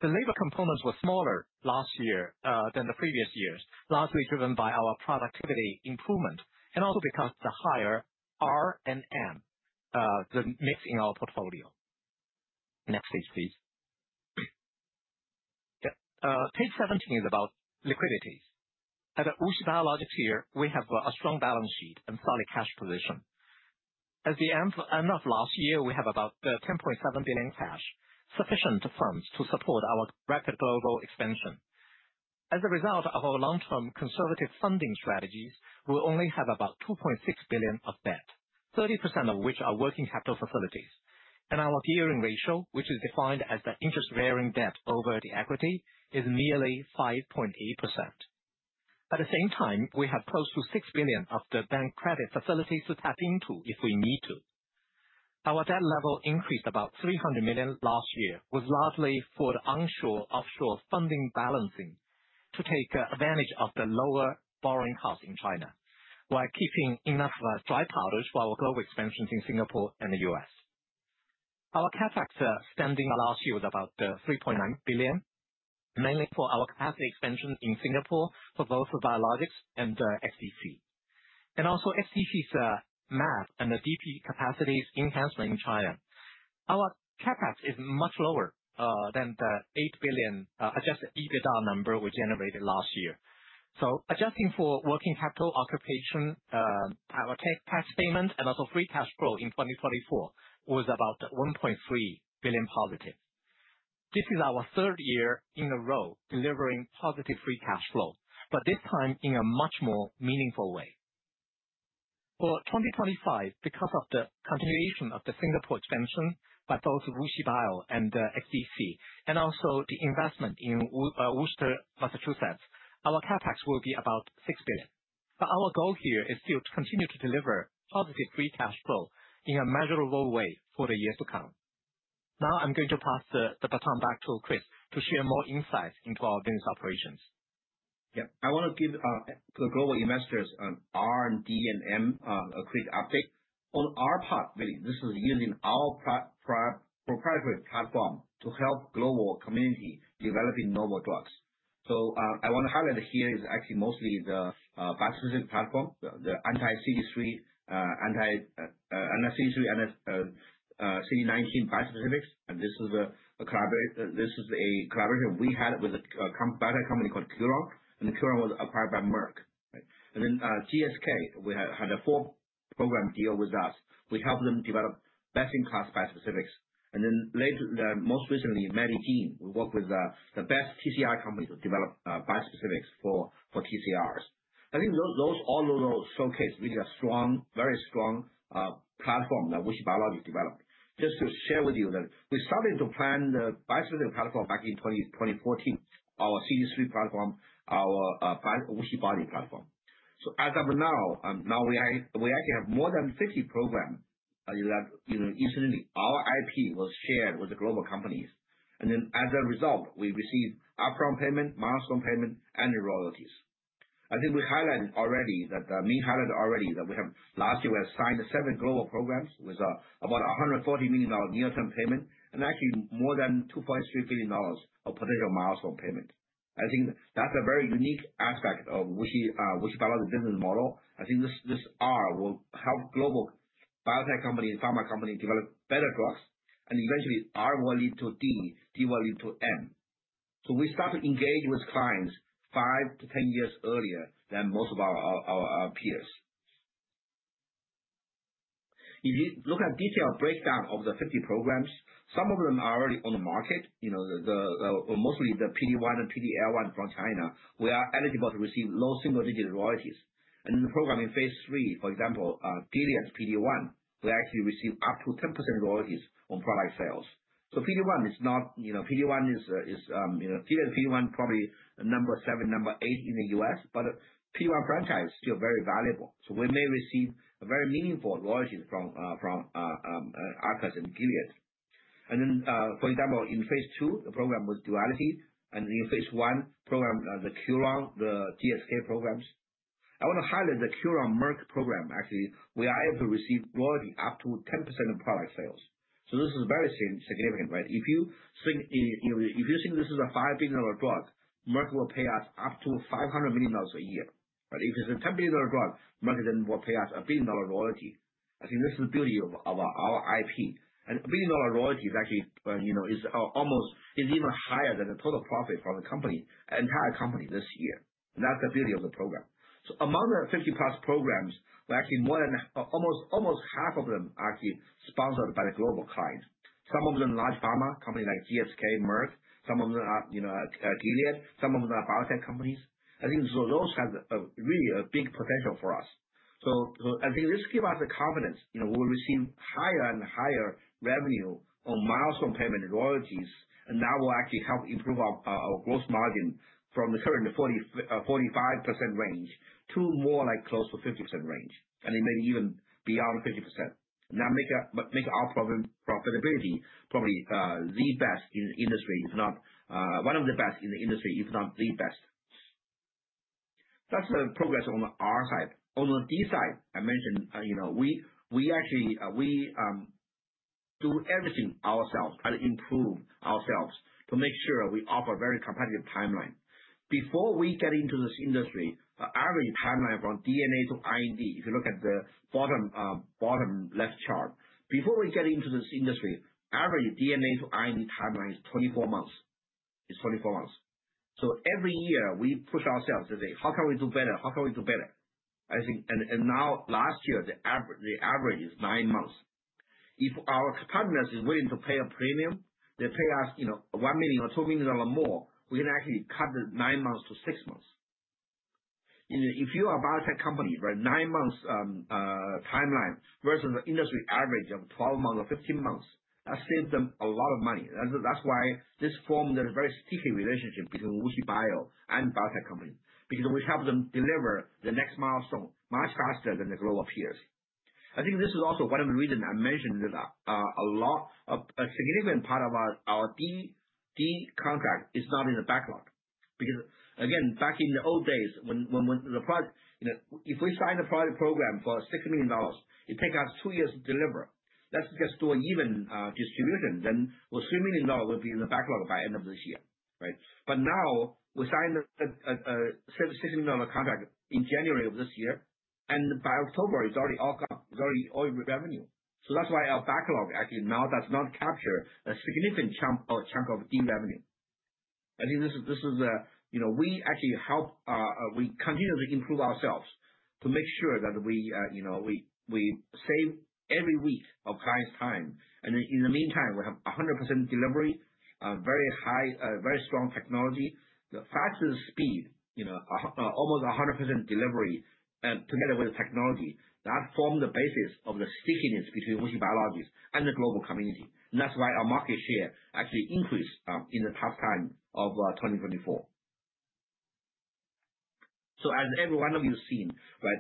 [SPEAKER 3] The labor components were smaller last year than the previous years, largely driven by our productivity improvement and also because the higher R and M, the mix in our portfolio. Next page please. Page 17 is about liquidity. At WuXi Biologics here, we have a strong balance sheet and solid cash position. At the end of last year we have about 10.7 billion cash sufficient funds to support our rapid global expansion. As a result of our long-term conservative funding strategies we only have about 2.6 billion of debt, 30% of which are working capital facilities and our gearing ratio which is defined as the interest bearing debt over the equity is merely 5.8%. At the same time we have close to 6 billion of the bank credit facilities to tap into if we need to. Our debt level increased about 300 million last year was largely for the onshore-offshore funding balancing to take advantage of the lower borrowing costs in China while keeping enough dry powders for our global expansions in Singapore and the U.S. Our CapEx spending last year was about 3.9 billion, mainly for our capacity expansion in Singapore for both Biologics and XDC and also XDC's MFG and the DP capacities enhancement in China. Our CapEx is much lower than the 8 billion adjusted EBITDA number we generated last year, so adjusting for working capital occupation, our tax payment and also free cash flow in 2024 was about 1.3+ billion. This is our third year in a row delivering positive free cash flow, but this time in a much more meaningful way. For 2025, because of the continuation of the Singapore expansion by both WuXi Biologics and XDC and also the investment in Worcester, Massachusetts, our CapEx will be about 6 billion, but our goal here is to continue to deliver positive free cash flow in a measurable way for the years to come. Now I'm going to pass the baton back to Chris to share more insights into our business operations.
[SPEAKER 2] Yeah, I want to give to the global investors and R&D a quick update. On our part, really, this is using our proprietary platform to help global community developing novel drugs. What I want to highlight here is actually mostly the bispecific platform, the anti-CD3 and the CD19 bispecifics, and this is a collaboration. This is a collaboration we had with a biotech company called Curon, and Curon was acquired by Merck. And then GSK had a full-program deal with us. We helped them develop best-in-class bispecifics and then later most recently Medigene, we worked with the best TCR company to develop bispecifics for TCRs. I think those, all of those showcase really a strong, very strong platform that WuXi Biologics developed. Just to share with you that we started to plan the bispecific platform back in 2014. Our CD3 platform, our WuXiBody platform. As of now, now we actually have more than 50 programs and that incidentally our IP was shared with the global companies and then as a result we received upfront payment, milestone payment, and royalties. I think we highlighted already that Ming highlighted already that we have last year we have signed seven global programs with about $140 million near-term payment and actually more than $2.3 billion of potential milestone payment. I think that's a very unique aspect of WuXi Biologics business model. I think this R will help global biotech companies, pharma companies develop better products. And enventually, R will lead to D, D to M. We start to engage with clients 5-10 years earlier than most of our peers. If you look at detailed breakdown of the 50 programs, some of them are already on the market. Mostly the PD-1 and PD-L1 from China, we are eligible to receive low-single digit royalties. In the program in phase III, for example PDX PD-1, we actually receive up to 10% royalties on product sales. PD-1 is not, you know, PD-1 is, you know, PD-1 probably number seven, number eight in the U.S. but P1 franchise, still very valuable. We may receive very meaningful royalties from Arcus and Gilead. For example, in phase II, the program with Duality and in phase I program with Curon, the GSK programs. I want to highlight the Curon-Merck program. Actually we are able to receive royalty up to 10% of product sales. This is very significant, right? If you think this is a $5 billion drug, Merck will pay us up to $500 million a year. If it's a $10 billion drug. Merck then will pay us a $1 billion royalty. I think this is the beauty of our IP. And a billion dollar royalty is actually almost, is even higher than the total profit from the company, entire company this year. That's the beauty of the program. Among the 50+ programs, actually more than almost half of them, actually, sponsored by the global client. Some of them large pharma companies like GSK, Merck, some of them are, you know, Gilead, some of them are biotech companies I think. Those have really a big potential for us. I think this gives us the confidence, you know, we will receive higher and higher revenue on milestone-payment royalties and will actually help improve our gross margin from the current 45% range to more like close to 50% range. It may be even beyond 50%, that make our profitability probably the best in the industry, if not one of the best in the industry, if not the best. That's the progress on the R side. On the D side I mentioned, we actually we do everything ourselves, try to improve ourselves to make sure we offer a very competitive timeline. Before we get into this industry, the average timeline from DNA to IND, if you look at the bottom left chart. Before we get into this industry, average DNA to IND timeline is 24 months. It is 24 months. Every year we push ourselves to say how can we do better, how can we do better? Now last year the average is nine months. If our partners are willing to pay a premium, they pay us $1 million or $2 million more, we can actually cut the nine months to six months. If you are a biotech company for a nine-month timeline versus the industry average of 12 months or 15 months. That saves them a lot of money. That's why this formed a very sticky relationship between WuXi Biologics and biotech companies because we help them deliver the next milestone much faster than the global peers. I think this is also one of the reasons I mentioned that a significant part of our DP contract is not in the backlog. Because again back in the old days, if we sign the project program for $6 million, it takes us two years to deliver. Let's just do an even distribution then $3 million will be in the backlog by end of this year. Now we signed a $6 million contract in January of this year and by October it's already all gone, it's already all revenue. That's why our backlog actually now does not capture a significant chunk of the revenue. I think this is, you know, we actually help, we continue to improve ourselves to make sure that we, you know, we save every week of clients' time. In the meantime we have 100% delivery, very high, very strong technology, the fastest speed, almost 100% delivery. And together with the technology, that formed the basis of the stickiness between WuXi Biologics and the global community. That's why our market share actually increased in the tough time of 2024. As every one of you seen,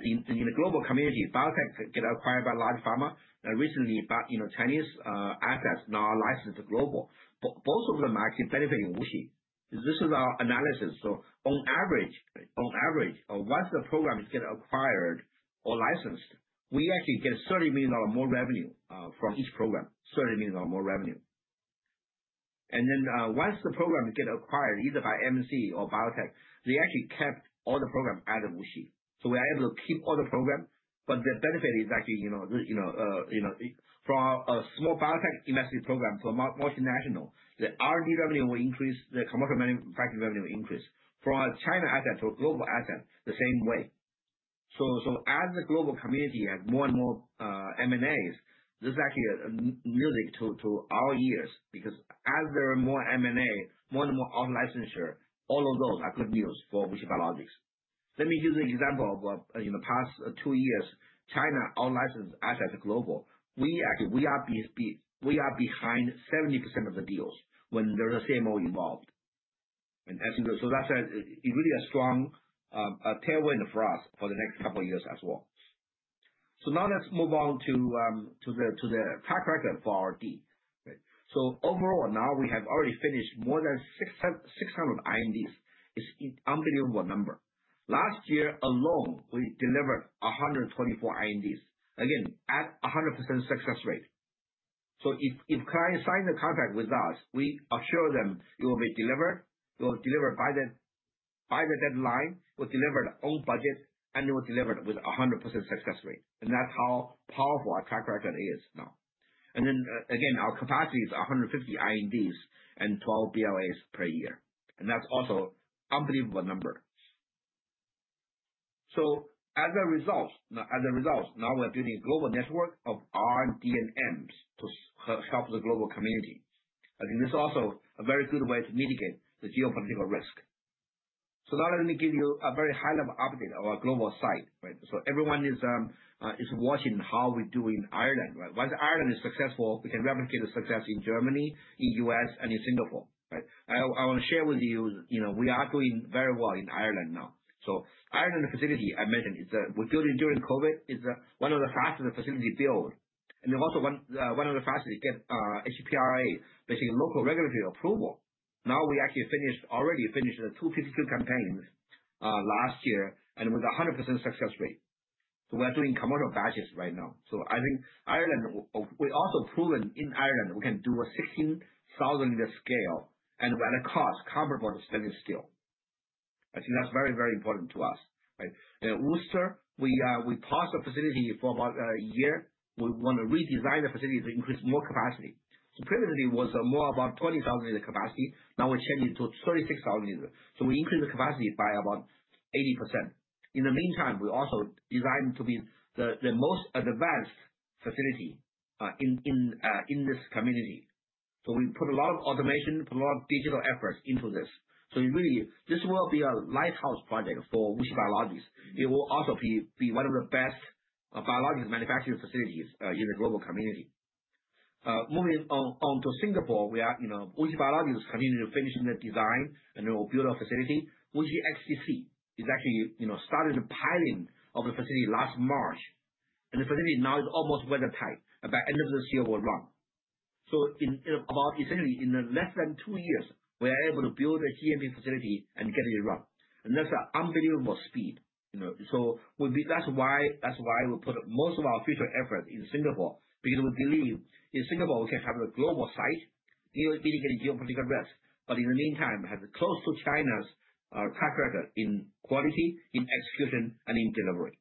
[SPEAKER 2] in the global community, biotech get acquired by large pharma. Recently, Chinese assets now are licensed global. Both of them actually benefitting WuXi. This is our analysis on average once the programs get acquired or licensed, we actually get $30 million more revenue from each program. $30 million or more revenue. Once the program get acquired either by MNCs or biotech, they actually kept all the program out of WuXi. We are able to keep all the program. The benefit is actually, you know, from a small biotech investment program to a multinational, the R&D revenue will increase, the commercial manufacturing revenue will increase from a China asset to a global asset the same way. As the global community has more and more M&As, this is actually music to our ears, because as there are more M&A, more and more auto licensure, all of those are good news for WuXi Biologics. Let me give the example of in the past two years China outlicensed assets global. We actually are behind 70% of the deals when there is a CMO involved. That is really a strong tailwind for us for the next couple years as well. Now let's move on to the tax record for R&D. TSo overall now we have already finished more than 600 INDs. It's unbelievable number. Last year alone we delivered 124 INDs. Again at 100% success rate. If clients sign the contract with us, we assure them it will be delivered, it will deliver by the deadline, will deliver on budget and it will deliver with 100% success rate. That is how powerful our track record is now. Our capacity is 150 INDs and 12 BLAs per year. That's also unbelievable number. As a result now we're building a global network of R, D, and Ms to help the global community. I think this is also a very good way to mitigate the geopolitical risk. Now let me give you a very high level update of our global site. Everyone is watching how we do in Ireland. Once Ireland is successful, we can replicate the success in Germany, in the U.S., and in Singapore. I want to share with you we are doing very well in Ireland now. Ireland facility I mentioned we built it during COVID is one of the fastest facility built and also one of the fastest to get HPRA basically local regulatory approval. Now we actually finished already finishing two typical campaigns last year and with 100% success rate. We're doing commercial batches right now. I think Ireland, we also proven in Ireland we can do a 16,000 L scale and at a cost comparable to stainless steel. I think that's very, very important to us. Worcester we paused the facility for about a year. We want to redesign the facility to increase more capacity. Previously it was more about 20,000 capacity. Now we're changing to 36,000 liters. We increase the capacity by about 80%. In the meantime we also designed to be the most advanced facility in this community. We put a lot of automation, put a lot of digital efforts into this. Really this will be a lighthouse project for WuXi Biologics. It will also be one of the best biologics manufacturing facilities in the global community. Moving on to Singapore, we are, you know, WuXi Biologics is continuing to finish the design and build our facility. WuXi XDC is actually, you know, started the piling of the facility last March. The facility now is almost weathertight. By end of this year will run in about essentially in less than two years we are able to build a GMP facility and get it run. That's an unbelievable speed. That's why we put most of our future effort in Singapore. Because we believe in Singapore we can have a global site to mitigate geopolitical risk. In the meantime, have close to China's track record in quality, in execution, and in delivery.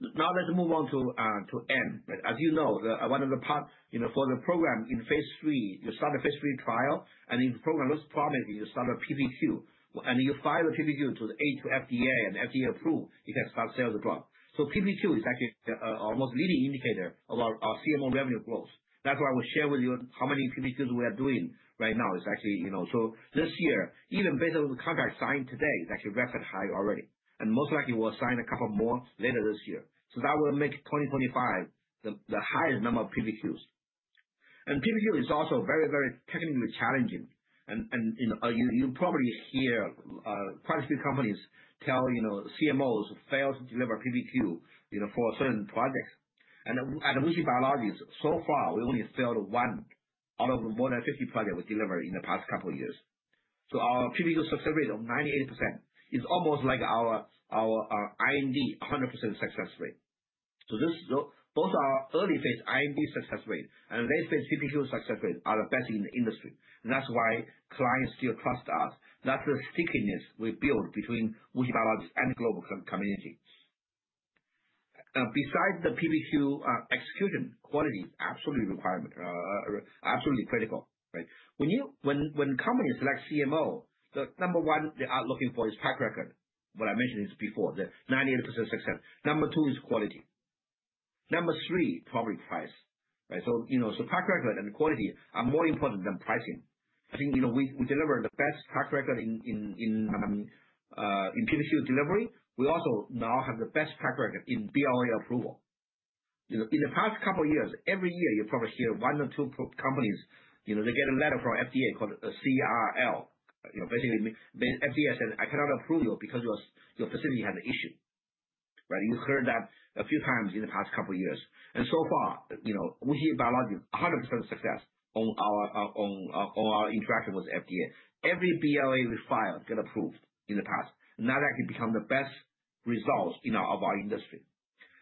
[SPEAKER 2] Now let's move on to M. You know one of the part for the program in phase III, you start a phase III trial, and if the program looks promising, you start a PPQ. You file the PPQ through the ACE to FDA, and if FDA approves you can start sales at once. PPQ is actually our most leading indicator of our CMO revenue growth. That's why I will share with you how many PPQs we are doing right now is actually, you know. So this year, even based on the contract signed today, is actually record high already. Most likely we'll sign a couple more later this year. That will make 2025 the highest number of PPQs. And PPQ is also very, very technically challenging. You probably hear quite a few companies tell CMOs fail to deliver PPQ for certain projects. At WuXi Biologics so far we only failed one out of more than 50 projects we delivered in the past couple years. Our PPQ success rate of 98% is almost like our IND 100% success rate. Both our early-phase IND success rate and late-phase PPQ success rate are the best in the industry. That's why clients still trust us. That's the stickiness we build between WuXi Biologics and global communities. Besides the PPQ execution quality absolute requirement, absolutely critical, right? When companies like CMO, the number one they are looking for is track record. What I mentioned is before the 98% success. Number two is quality. Number three, public price. You know, so track record and auality are more important than pricing. I think, you know, we deliver the best track record in PPQ delivery. We also now have the best track record in BLA approval in the past couple years. Every year you probably hear one or two companies, you know, they get a letter from FDA called CRL. Basically FDA said I cannot approve you because your facility has an issue. You heard that a few times in the past couple years. So far, you know, we hear Biologics 100% success on our interaction with the FDA. Every BLA we file get approved in the past. Now that's some of the best results in our industry.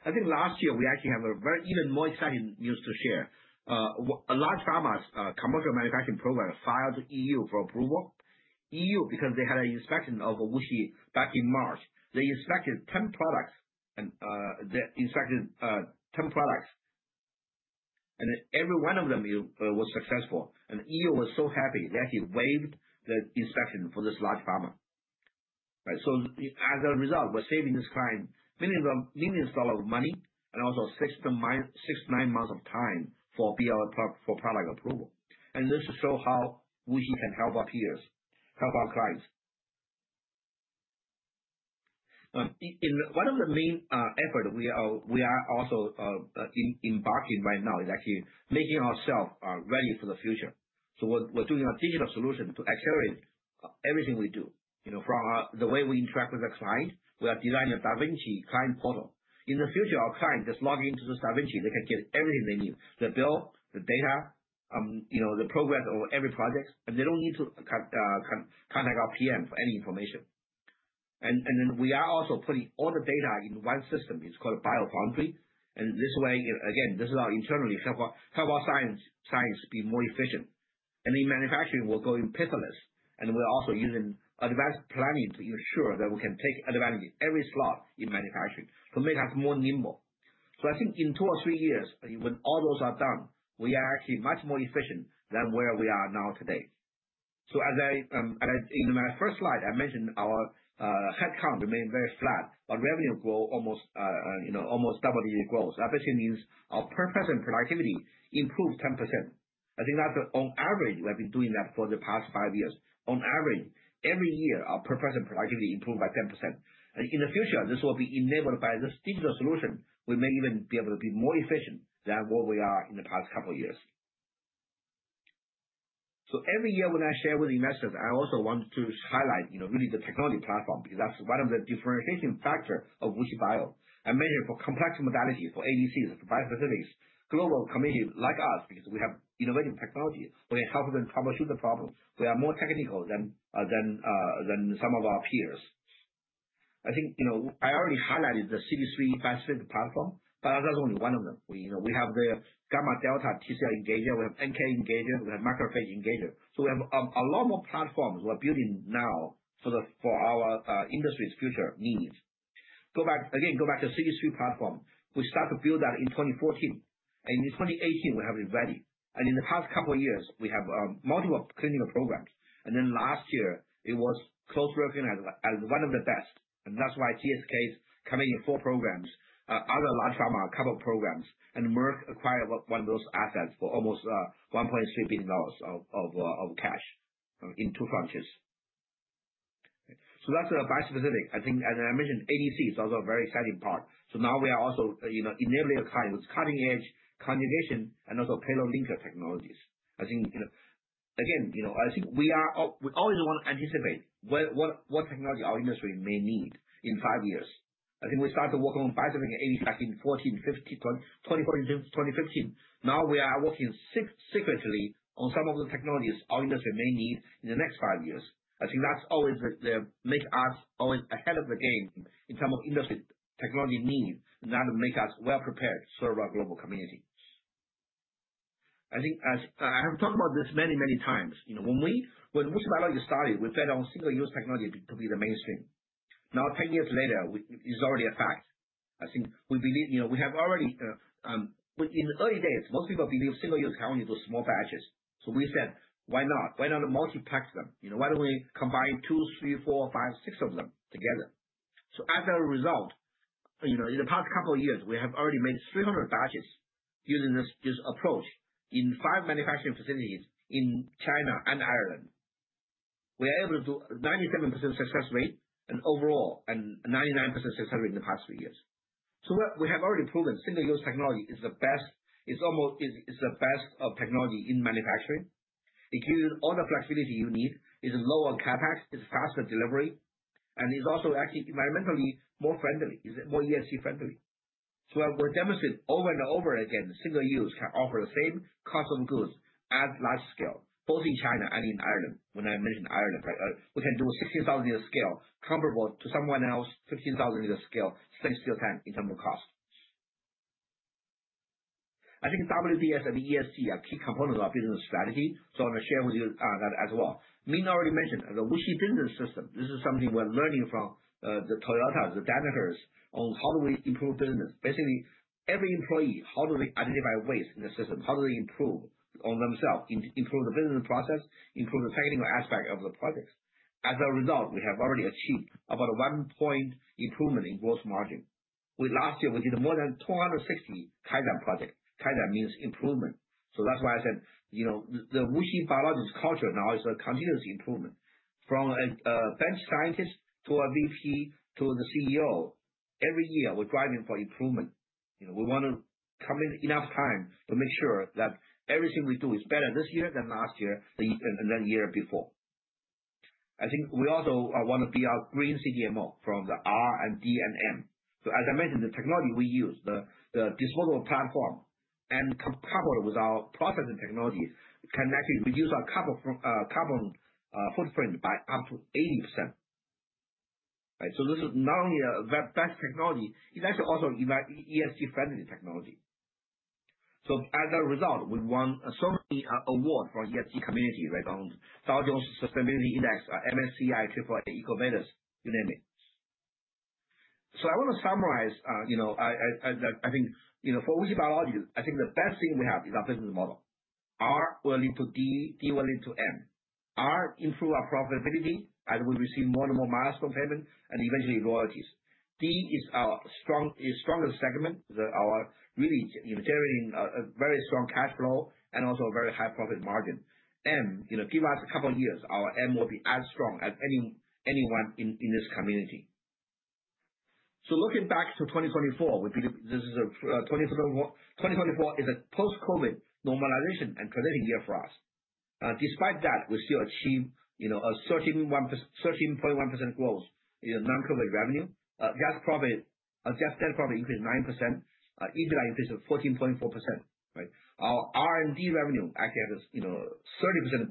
[SPEAKER 2] I think last year we actually have a very, even more exciting news to share. A large pharma's commercial manufacturing program filed to EU for approval. EU because they had an inspection of WuXi back in March, they inspected 10 products and every one of them was successful. EU was so happy that they waived the inspection for this large pharma. As a result, we're saving this client millions of dollars and also 6-9 months of time for BLA for product approval. This is so how we can help our peers, help our clients. One of the main effort we are also embarking right now is actually making ourselves ready for the future. We are doing a digital solution to accelerate everything we do from the way. We interact with the client. We are designing a DaVinci client portal. In the future our client just log into the DaVinci, they can get everything they need, the bill, the data, you know, the progress of every project. They don't need to contact our PM for any information. We are also putting all the data in one system. It's called BioFoundry. This way again this is our internally help our science be more efficient. In manufacturing we're going paperless. We're also using advanced planning to ensure that we can take advantage of every slot in manufacturing to make us more nimble. I think in two or three years, when all those are done, we are actually much more efficient than where we are now today. In my first slide, I mentioned our headcount remain very flat but revenue grow almost double-digit growth means our per-person productivity improved 10%. I think that on average we have been doing that for the past five years. On average every year our per-person productivity improved by 10% and in the future this will be enabled by this digital solution. We may even be able to be more efficient than what we are in the past couple of years. Every year when I share with investors I also want to highlight really the technology platform because that's one of the differentiating factor of WuXi Biologics and major for complex modality for ADCs for bispecifics. Global communities like us because we have innovative technology, we can help them troubleshoot the problem. We are more technical than some of our peers. I think I already highlighted the CD3 bispecific platform but that's only one of them. We have the gamma delta T-cell engager. We have NK engager, we have macrophage engager. We have a lot more platforms. We're building now for our industry's future needs. Again, go back to CD3 platform. We start to build that in 2014 and in 2018 we have a value. In the past couple of years, we have multiple clinical programs. And then last year, it was close working as one of the best. That is why GSK is coming in four programs, other large pharma covered programs, and Merck acquired one of those assets for almost $1.3 billion of cash in two tranches. That's bispecific. I think as I mentioned ADC is also a very exciting part. Now we are also enabling a client who's cutting-edge conjugation and also payload linker technologies. I think again, I think we always want to anticipate what technology our industry may need in five years. I think we started working on bispecific ADCs back in 2014, 2015. Now we are working secretly on some of the technologies our industry may need in the next five years. I think that always makes us always ahead of the game in terms of industry and technology needs, thus make us well prepared to serve our global community. I think as I have talked about this many, many times, you know, when we, when WuXi Biologics started, we fed on single-use technology to be the mainstream. Now 10 years later, it's already a fact. I think we believe, you know, we have already in the early days, most people believe single-use can only do small batches. We said why not, why not multipack them? You know, why don't we combine two, three, four, five, six of them together. As a result, you know, in the past couple of years we have already made 300 batches using this approach in five manufacturing facilities in China and Ireland, we are able to do 97% success rate overall and 99% success rate in the past three years. We have already proven single-use technology is the best, is almost the best of technology in manufacturing. It gives you all the flexibility you need, is low on CapEx, it's faster delivery, and is also actually environmentally more friendly, more ESG friendly. We demonstrate over and over again single-use can offer the same cost-of-goods at large scale both in China and in Ireland. When I mentioned Ireland, we can do a 16,000 L scale comparable to someone else's 15,000 L of scale, same scale time in terms of cost. I think WBS and ESG are key components of our business strategy. I want to share with you that, as Ming already mentioned, the WuXi Business System. This is something we're learning from Toyota, the Danaher, on how do we improve business. Basically, every employee, how do we identify waste in the system? How do they improve on themselves, improve the business process, improve the technical aspect of the project. As a result, we have already achieved about a one-point improvement in gross margin. Last year we did more than 260 Kaizen projects. Kaizen means improvement. That is why I said the WuXi Biologics culture now is a continuous improvement. From a bench scientist to a VP to the CEO. Every year we're driving for improvement. We want to come in enough time to make sure that everything we do is better this year than last year and the year before. I think we also want to be our green CDMO from the R, D, and M. As I mentioned, the technology we use the disposable platform and coupled with our processing technologies can actually reduce our carbon footprint by up to 80%. This is not only a web-based technology, it's actually also ESG-friendly technology. As a result we won so many awards from ESG community on Dow Jones Sustainability Indices, MSCI AAA, EcoVadis, you name it. I want to summarize, you know, I think you know for WuXi Biologics I think the best thing we have is our business model. R will lead to D, D will lead to M. R improve our profitability as we receive more and more milestone payment and eventually royalties. D is our strongest segment, really generating a very strong cash flow and also a very high profit margin. You know, give us a couple of years, our M will be as strong as anyone in this community. Looking back to 2024 we believe this is a, 2024 is a post-COVID normalization and crediting year for us. Despite that we still achieve, you know, a 13.1% growth in non-COVID revenue. Gross profit increased 9%. EBITDA increase of 14.4%, right? Our R&D revenue actually had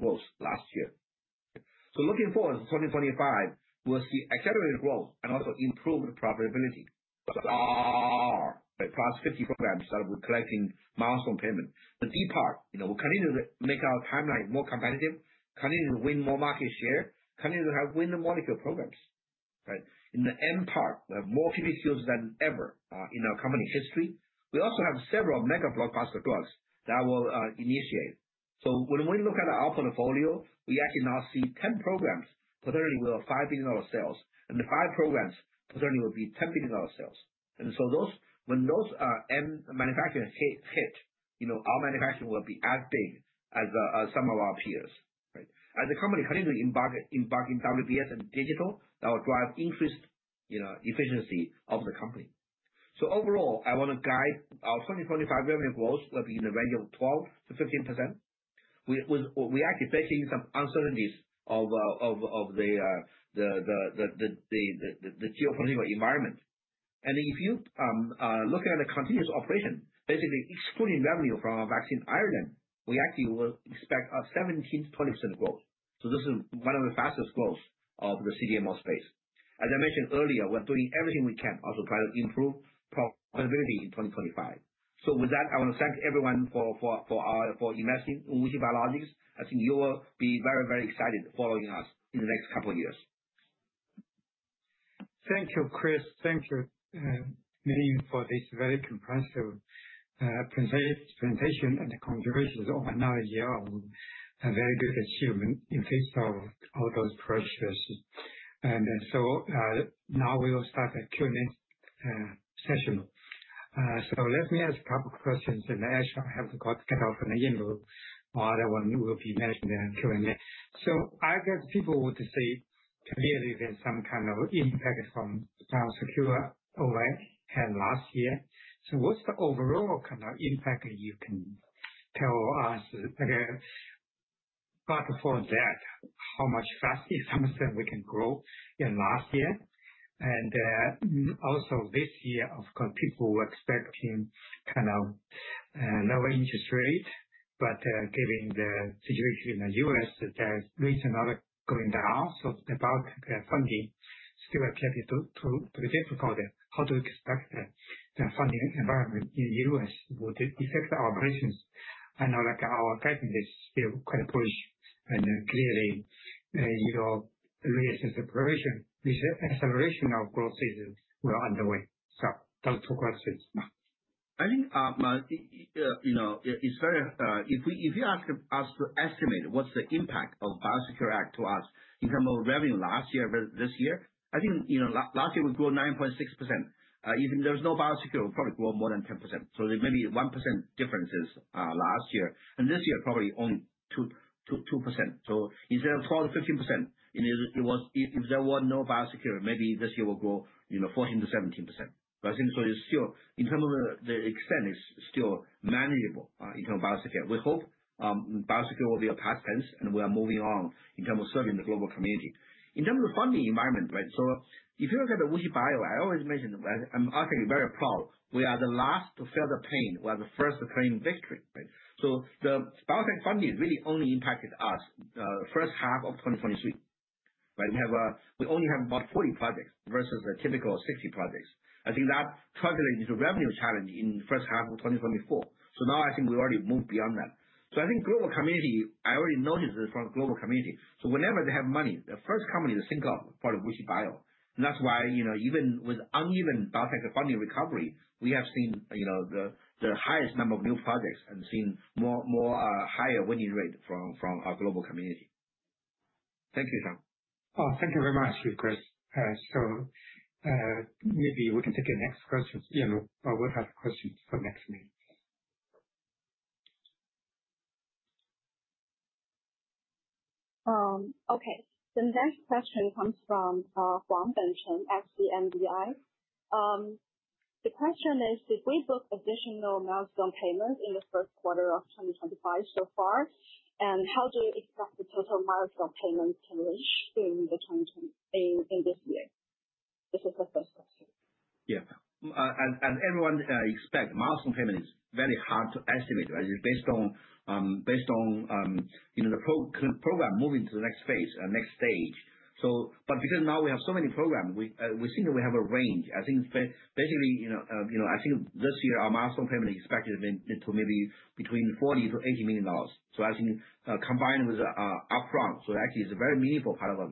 [SPEAKER 2] 30% growth last year. Looking forward to 2025 we'll see accelerated growth and also improved profitability. In R, 50+ programs that we're collecting milestone payment. The D part, you know, we continue to make our timeline more competitive, continue to win more market share, continue to have Win-the-Molecule programs. In the M part, we have more PPQs than ever in our company history. We also have several mega-blockbuster projects that will initiate. When we look at our portfolio, we actually now see 10 programs potentially with $5 billion sales. The five programs certainly will be $10 billion sales. When those M manufacturing hit, our manufacturing will be as big as some of our peers. As the company continues to embark in WBS and digital, that will drive increased efficiency of the company. Overall, I want to guide our 2025 revenue growth will be in the range of 12-15%. We actually facing some uncertainties of the geopolitical environment. If you look at the continuous operation, basically excluding revenue from vaccine in Ireland. We actually will expect a 17-20% growth. This is one of the fastest growth of the CDMO space. As I mentioned earlier, we're doing everything we can also try to improve profitability in 2025. With that I want to thank everyone for investing in WuXi Biologics. I think you will be very, very excited following us in the next couple of years.
[SPEAKER 1] Thank you Chris. Thank you Ming for this very comprehensive presentation and congratulations on another year on a very good achievement in face of all those pressures. Now we will start the Q&A session so let me ask a couple of questions, the ones that actually I have got off an email. The other ones will be mentioned in Q&A. I guess people would say clearly there's some kind of impact from Biosecure Act in last year. What's the overall kind of impact? If you can tell us or that how much fast if something we can grow in last year and also this year of course people were expecting kind of low interest rate, but given the situation in the U.S. the rates are not going down. So the biotech funding still appears to be difficult. How to expect the funding environment in the U.S.? Would it affect our operations and our guidance still quite bullish and clearly, you know, acceleration of growth season we are underway? Those two questions.
[SPEAKER 2] I think, you know, it's very, if you ask us to estimate what's the impact of Biosecure Act to us in terms of revenue last year versus this year, I think you know last year we grew 9.6% even there's no Biosecure, probably grow more than 10%. There may be 1% differences last year and this year, probably only 2%. Instead of 12%-15%, if there were no Biosecure, maybe this year will grow 14%-17%. It is still, in terms of the extent, still manageable in terms of Biosecure. We hope Biosecure will be a past tense and we are moving on in terms of serving the global community. In terms of funding environment, right. If you look at the WuXi Bio, I always mention I'm actually very proud. We are the last to feel the pain. We are the first train in victory. The biotech funding really only impacted us in first half of 2023. We only have about 40 projects versus a typical 60 projects. I think that translates into revenue challenge in first half of 2024. Now I think we already moved beyond that. I think global community, I already noticed this from global community. Whenever they have money, the first company they sync up for is WuXi Biologics and that's why even with uneven biotech funding recovery, we have seen the highest number of new projects and seen higher winning rate from our global community. Thank you, Sean.
[SPEAKER 1] Thank you very much to you, Chris. Maybe we can take your next question. We'll have questions for the next minutes.
[SPEAKER 4] Okay, the next question comes from Huang Benchen at CMBI. The question is, did we book additional milestone payments in the first quarter of 2025 so far? How do you expect the total milestone payments can reach in 2020 in this year? This is the first question.
[SPEAKER 2] Yeah, as everyone expects, milestone payment is very hard to estimate based on, based on, you know, the program moving to the next phase, next stage. Because now we have so many programs, we think we have a range. I think basically, you know, I think this year our milestone payment expected to maybe between $40 million-$80 million. I think combined with upfront actually it's a very meaningful part of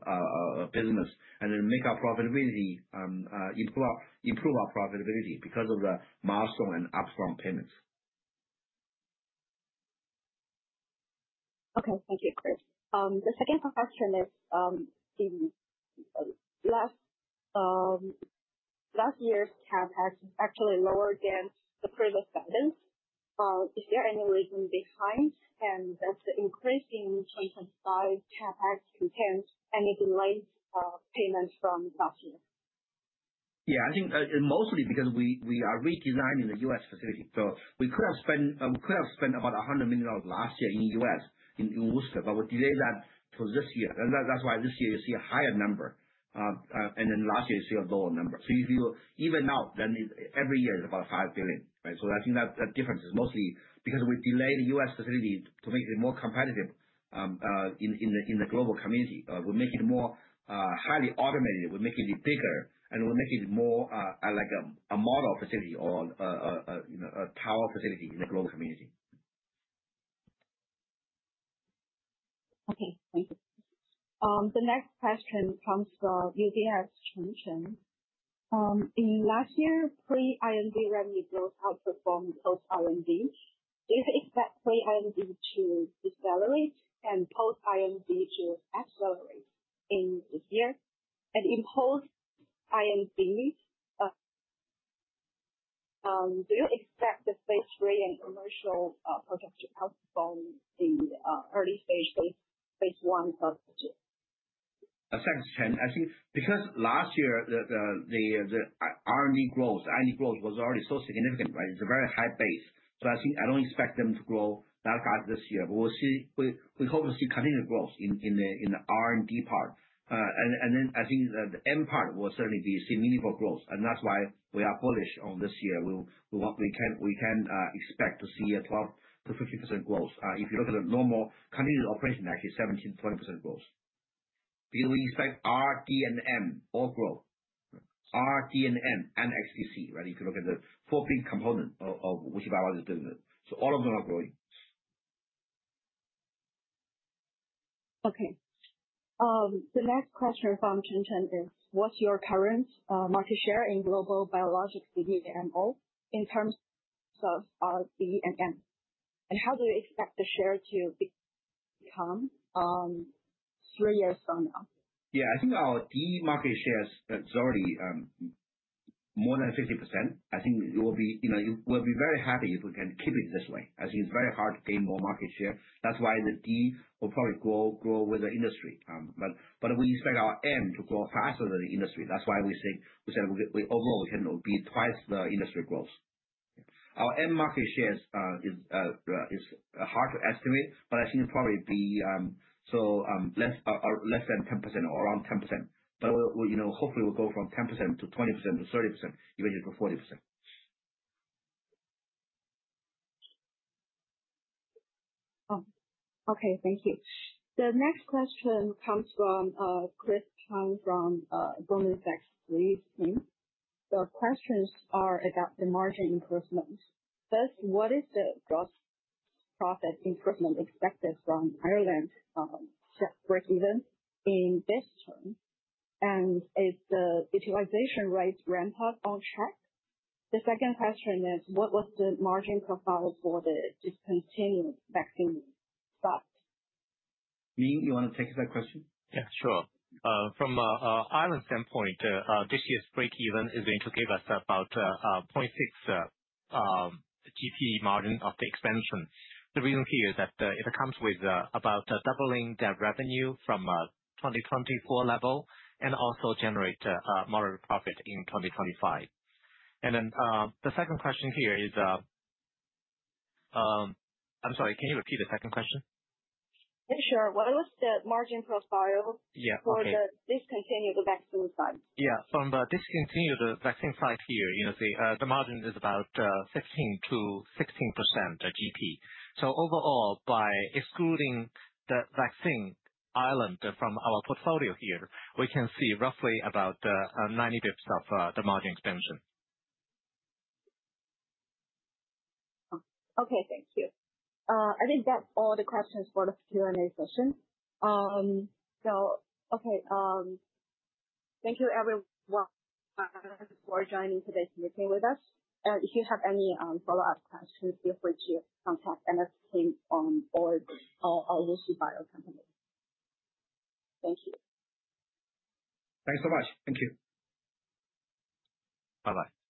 [SPEAKER 2] business and then make our profitability, improve our profitability because of the milestone and upfront payments.
[SPEAKER 4] Okay, thank you, Chris. The second question is last year's CapEx is actually lower than the previous guidance. Is there any reason behind and does the increase in 2025 CapEx contain any delayed payment from last year?
[SPEAKER 2] Yeah, I think mostly because we are redesigning the U.S. facility. We could have spent, we could have spent about $100 million last year in the US in Worcester, but we delay that for this year and that's why this year you see a higher number. Last year you see a lower number. If you even now, then every year is about 5 billion, right? I think that difference is mostly because we delay the US facility to make it more competitive in the global community. We'll make it more highly automated. We're making it bigger and we'll make it more like a model facility or a tower facility in the global community.
[SPEAKER 4] Okay, thank you. The next question comes from UBS's Chen Chen. In last year, pre-IND revenue growth outperformed post-IND. Do you expect pre-IND to decelerate and post-IND to accelerate in this year? In post-IND, do you expect the phase III and commercial projects to outperform the early-stage phase I Iast year?
[SPEAKER 2] Thanks, Chen. I think because last year the R&D growth, R&D growth was already so significant, right. It's a very high base. I think I don't expect them to grow that fast this year. We hope to see continued growth in the R and D part and then I think the M part will certainly see meaningful growth. That is why we are bullish on this year. We can expect to see a 12-15% growth. If you look at a normal continuous operation, actually 17-20% growth. Because we expect R, D, and M all growth, R, D, and M, and XDC. Right, if you look at the four big components of WuXi Biologics business, all of them are growing.
[SPEAKER 4] Okay, the next question from Chen Chen is what's your current market share in global biologics MO in terms of D and M and how do you expect the share to become three years from now?
[SPEAKER 2] Yeah, I think our D market shares is already more than 50%. I think it will be, you know, we'll be very happy if we can keep it this way. I think it's very hard to gain more market share. That's why the D will probably grow with the industry. We expect our M to grow faster than the industry. That's why we think we said overall we can be twice the industry growth. Our M market shares is hard to estimate, but I think it'll probably be less than 10% or around 10% but hopefully we'll go from 10% to 20% to 30% eventually to 40%.
[SPEAKER 4] Okay, thank you. The next question comes from Chris Chang from Goldman Sachs' analyst team. The questions are about the margin improvement. First, what is the gross profit improvement expected from Ireland breakeven in this term and is the utilization rate ramp-up on check? The second question is what was the margin profile for the discontinued vaccine site?
[SPEAKER 2] Ming, you want to take that question?
[SPEAKER 3] Yeah, sure. From Ireland standpoint this year's breakeven is going to give us about 0.6 GP margin of the expansion. The reason here is that it comes with about doubling their revenue from 2024 level and also generate moderate profit in 2025. The second question here is. I'm sorry, can you repeat the second question?
[SPEAKER 4] Sure. What was the margin profile for the discontinued vaccine site?
[SPEAKER 3] Yeah, from the discontinued vaccine site here you see the margin is about 15-16% GP. Overall, by excluding the vaccine Ireland from our portfolio here, we can see roughly about 90 basis points of the margin expansion.
[SPEAKER 4] Okay, thank you. I think that's all the questions for the Q&A session. Thank you everyone for joining today's meeting with us. If you have any follow up questions, feel free to contact Ms. Fan or WuXi Bio company. Thank you.
[SPEAKER 2] Thanks so much.
[SPEAKER 3] Thank you.
[SPEAKER 1] Bye bye.